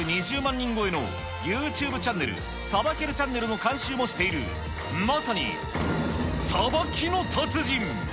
人超えのユーチューブチャンネル、さばけるチャンネルの監修もしている、まさに、さばきの達人。